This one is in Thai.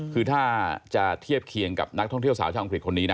คือถ้าจะเทียบเคียงกับนักท่องเที่ยวสาวชาวอังกฤษคนนี้นะ